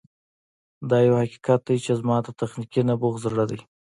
دا یو حقیقت دی چې زما د تخنیکي نبوغ زړه دی